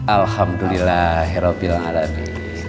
alhamdulillah herobil alami